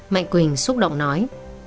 mạnh quỳnh xúc động nói